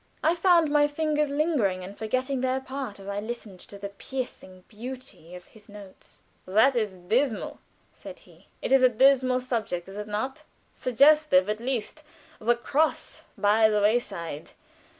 I found my fingers lingering and forgetting their part as I listened to the piercing beauty of his notes. "That is dismal," said he. "It is a dismal subject, is it not?" "Suggestive, at least. 'The Cross by the Wayside.'